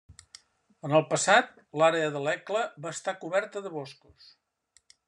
En el passat, l'àrea de l'Hekla va estar coberta de boscos.